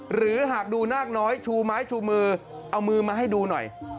หรือหากดูนาคน้อยชูไม้ชูมือเอามือมาให้ดูหน่อย